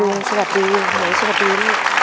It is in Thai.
ลุงสวัสดีหนูสวัสดี